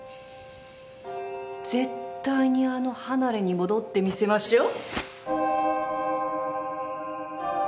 絶対にあの離れに戻ってみせましょう。